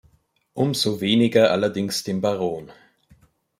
Umso weniger allerdings dem Baron.